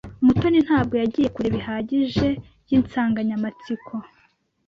Mutoni ntabwo yagiye kure bihagije yinsanganyamatsiko.